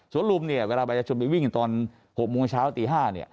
สวรุมเวลาบายชนไปวิ่งตอน๖โมงเช้าตี๕